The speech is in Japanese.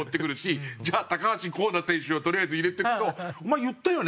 じゃあ橋光成選手をとりあえず入れてくとお前言ったよね？